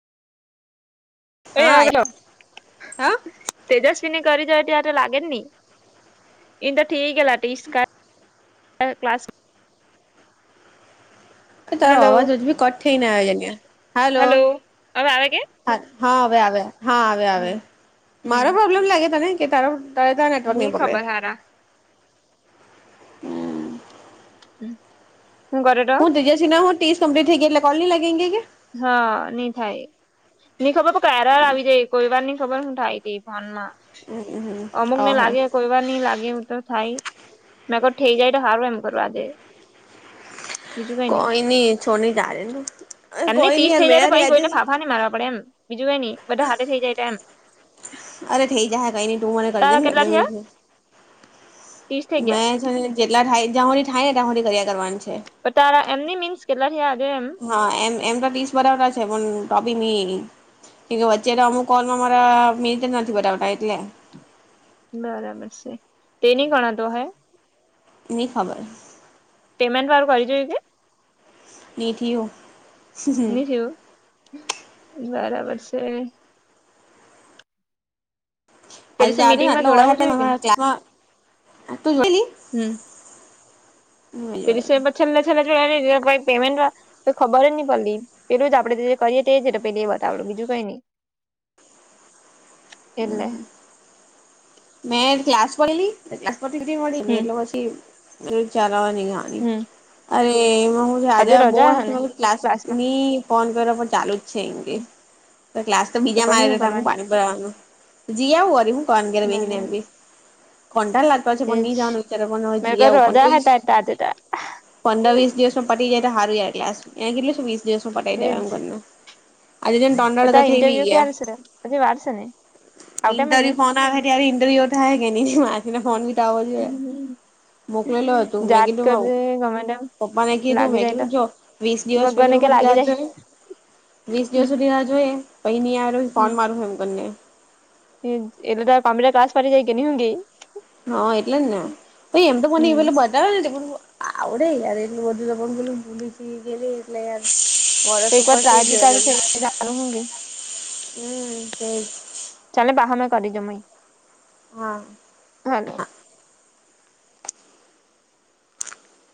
નઈ હા આવેલો, હા તેજસ્વીને કરી જોયતી ઓય તો લાગે જ ની. એન ટ થઈ ગેલા તીસ કા ક્લાસ એ તાર હલો અવાજ હજુ ભી કટ થઈ ને આવે અન્યા. હાલો. હલો હવે આવે કે હા હવે આવે હા અવે આવે. હમ મારો પ્રોબ્લેમ લાગે તને કે તારો? તારેતા નેટવર્ક ની નહી પકડે. ખબર હારા હું કરે ટ? ત જસી ના હું ટીસ કમ્પ્લિટ થઈ ગીયા એટલે કોલ ની લાગે એમ કેય કે. હ ની થાય. ની ખબર પર કે એરર આવી જાય, કોઈ વાર ની ખબર હું થાય ટે ફોન માં. ક્યા હમ અમુક ને ઓહે લાગે. કોઈ વાર ની લાગે એવ તો થાય, મેં કો ઠઈ જાય તો હારુ એમ કરુ આજે. કોઈ ની છો ની જાન દે ની તું. એમ નઈ તીસ થઈ જાય, તો પઈ કોઈને ફાફા ની મારવા પડે એમ. બીજું કઈ ની બધા હાથે થઈ જાય ટ એમ. અરે, થઈ જાહે કઈ ની તું મને કરી દે તારા કેટલા મે થયા બ ત્રીસ થઈ ગયા મેં છ ને જેટલા થાય જાં હોડી થાય ને તં હોડી કર્યા કરવાની છે. તારા એમની મીન્સ, કેટલા થયા આજે એમ? હા એમ એમ તો તીસ બટાવટા છે, પણ ટોબી ની કે વચ્ચે તો અમુ કોલમાં મારા મિટ જ નથી બતાવતા એટલે. બરાબર સે, તે ની ગણાતુ અહે. ની ખબર. પેમેન્ટ વારુ કરી જોયુ કે? ની ઠીયું. ની ઠયુ, બરાબર સે. તે આજે દિવસે જાદે ની મીટિંગમાં આટલો જોડાવું વરહાત [unintelligible] જોઈએ કે અમારા ક્લાસમા આંતું. તીલી. ત્રીસે પછ છેલ્લે છેલ્લે જોયા ની જોયા પહી પેમમેન્ટ વા તો ખબર જ નઈ પલ્લી પેલું જ આપડે જે જે કરીએ તેજ પેલુ એ બતાવડું બીજુ કઈ ની. એટલે મેં ક્લાસ ભયલી ક્લાસતી મળી હમ એટલે પછી ચાલ અવે ની જા વાની. હમ અરે, એમાં હું આજે બો રજા હે ને હાથે ક્લાસ ક્લાસમાં ની ફોન કર્યો પણ ચાલુ જ છે એમ કે, ક્લાસ તો બીજા મારે તા હું પાણી બયાનુ જીયા આવુ વરી, હું કરાનુ ગેરે બેહીને એમ્બી બરાબર કંટાલ લા પછી પણ ની એજ જાવાનું વિચારે પન મે ક જીઆવું પન રજા હે તોઈશ. તાર આજે તો તાર પંદ વીસ દિવસમાં પટી જાય તો હારુ યાર ક્લાસ, એને કીધલું સે વીસ દિવસમા પટાવી એજ દેવા એમ કરને. આજે જોની તન દાળા તો તાર થઈ બી ઇન્ટરવ્યુ ગીયા. ક્યારે છે હજી વાર છે ને આવતા ઈનતરી મહિને ફોન આવહે તારે ઈન્ટરવ્યૂ થહે કે ની માથી ને ફોન બી ત આવો જોયે. મોકલેલુ હતું. મે જાત કીડુ નું માવ કરજે ગમે તેમ પપ્પા ને કીધું લાગી મે જાય કું તો જો, વીસ દિવસ પ ભગવાનને કું કે ખુલી લાગી જાય રહજો. વીસ હમ દિવસ સુધી રા જોઈએ પહી ન આવે ફોન માર એમને. હ એટલે તો કમ્ટ ક્લાસ પાડી જાય કે નહું ગ. હા એટલે જ ને, પ એમ તો મને એ ર પણ આવડે યાર એટલું બધું તો બલું ભૂલી ગ એટલે યાર તો વરસ એક વાર પાસઈ ટ્રાય ગ તો હ ચાલુ થઈ જાય ચાલુ હું કેય હમ. ચાલે બાહ મે કરી દમઈ. હમ. હા.